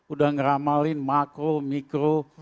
udah ngeramalin makro mikro